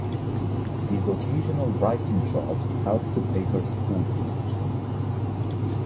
These occasional writing jobs helped to pay her school fees.